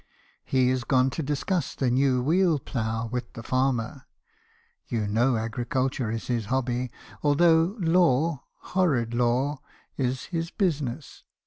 He is gone to discuss the new wheel plough with the farmer — (you know agriculture is his hobby, although law, horrid law, is his business).